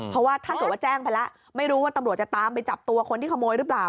เพราะว่าถ้าเกิดว่าแจ้งไปแล้วไม่รู้ว่าตำรวจจะตามไปจับตัวคนที่ขโมยหรือเปล่า